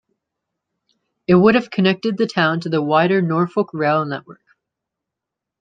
It would have connected the town to the wider Norfolk rail network.